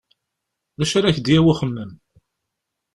D acu ara k-d-yawi uxemmem?